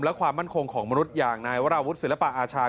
และความมั่นคงของมนุษย์อย่างนายวราวุฒิศิลปะอาชา